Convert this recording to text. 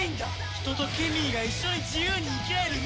人とケミーが一緒に自由に生きられる未来を。